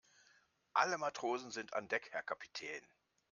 Alle Matrosen sind an Deck, Herr Kapitän.